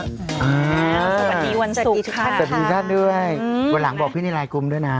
สวัสดีค่ะสวัสดีท่านด้วยวันหลังบอกพี่ในไลน์กลุ่มด้วยนะ